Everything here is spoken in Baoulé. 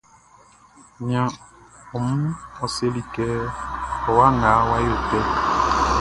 Nian ɔ mlu selikɛ, o wa nga wa yotɛ.